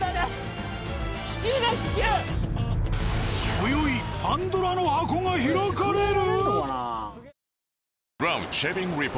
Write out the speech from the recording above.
今宵パンドラの箱が開かれる！？